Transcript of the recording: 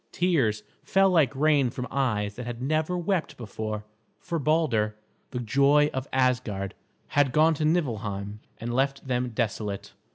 Tears fell like rain from eyes that had never wept before, for Balder, the joy of Asgard, had gone to Niflheim and left them desolate.